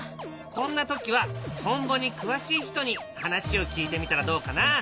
こんな時はトンボに詳しい人に話を聞いてみたらどうかな？